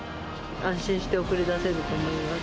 安心して送り出せると思います。